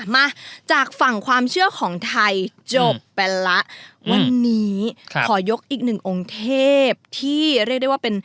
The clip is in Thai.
มีโอกาสก็ไปกันนะคะ